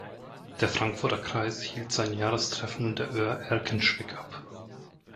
Der Frankfurter Kreis hielt sein Jahrestreffen in Oer-Erkenschwick ab.